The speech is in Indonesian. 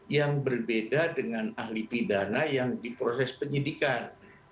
yang berbeda dengan ahli pidana yang di proses penyidikan